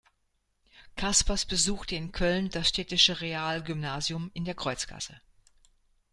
Kaspers besuchte in Köln das städtische Realgymnasium in der Kreuzgasse.